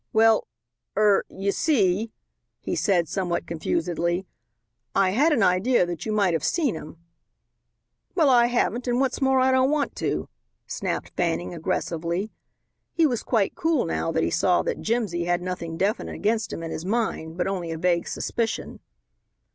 "Well er you see," he said somewhat confusedly, "I had an idea that you might have seen him." "Well, I haven't, and what's more I don't want to," snapped Fanning aggressively. He was quite cool now that he saw that Jimsy had nothing definite against him in his mind, but only a vague suspicion.